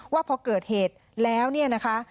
ว่าพอเกิดเหตุแล้วนะคะ